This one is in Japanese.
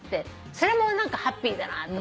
それも何かハッピーだなと。